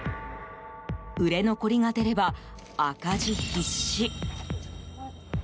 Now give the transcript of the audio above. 売れ残りが出れば赤字必至。